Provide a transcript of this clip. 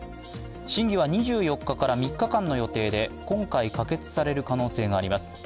審議は２４日から３日間の予定で今回可決される可能性があります。